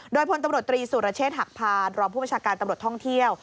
โดยพลตำรวจตรีสุรเชษฐ์หักพานรองผู้บัญชาการตำรวจท่องเที่ยว